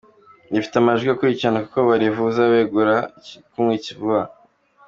Rifite amajwi akurikirana kuko barivuza begura igikumwe vuba.